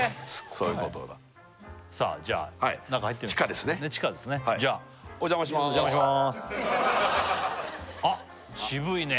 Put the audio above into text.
そういうことださあじゃあ中入ってみましょうか地下ですね地下ですねじゃあお邪魔しまーすお邪魔しまーすあっ渋いね